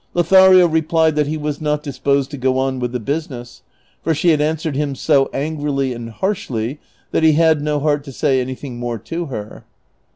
Lotha rio replied tliat he was not disposed to go on with the business, for she had answered him so angrily and harshly that he had no heart to say anything more to her.